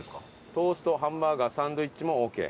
トーストハンバーガーサンドイッチもオーケー。